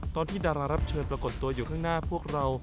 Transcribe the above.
ดารารับเชิญปรากฏตัวอยู่ข้างหน้าพวกเรา